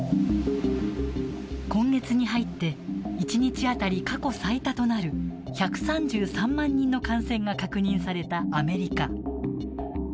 今月に入って１日当たり過去最多となる１３３万人の感染が確認されたアメリカ。